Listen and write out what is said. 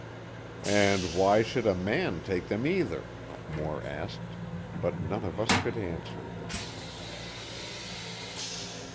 "And why should a man take them, either?" Moore asked, but none of us could answer.